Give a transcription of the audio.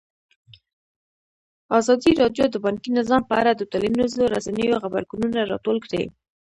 ازادي راډیو د بانکي نظام په اړه د ټولنیزو رسنیو غبرګونونه راټول کړي.